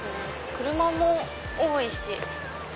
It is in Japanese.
車も多いし。